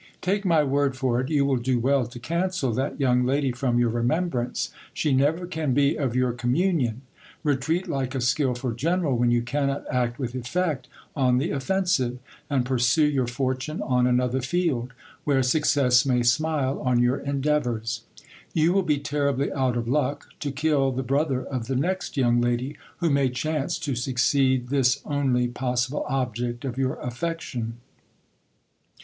Take my word for it, you will do well to cancel that young lady from your remembrance ; she never can be of your com munion. Retreat like a skilful general, when you cannot act with effect on the offensive ; and pursue your fortune on another field, where success may smile on your endeavours. You will be terribly out of luck to kill the brother of the next young lady who may chance to succeed this only possible object of your affection.